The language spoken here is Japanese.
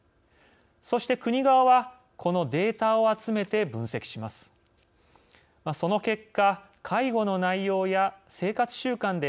そして、国側はこのデータを集めて、分析します。